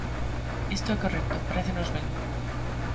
Isto é correcto, parécenos ben.